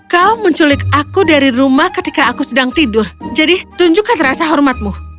kau menculik aku dari rumah ketika aku sedang tidur jadi tunjukkan rasa hormatmu